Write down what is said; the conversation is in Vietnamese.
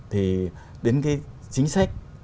thì đến cái chính sách